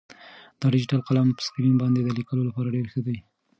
دا ډیجیټل قلم په سکرین باندې د لیکلو لپاره ډېر ښه دی.